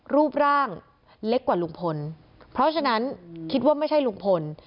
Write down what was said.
รูปร่างเล็กกว่าลุงพลเพราะฉะนั้นคิดว่าไม่ใช่ลุงพล